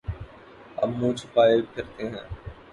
اب منہ چھپائے پھرتے ہیں۔